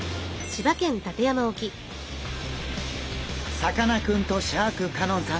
さかなクンとシャーク香音さん